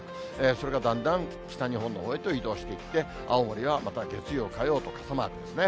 それがだんだん北日本のほうへと移動してきて、青森はまた月曜、通うと傘マークですね。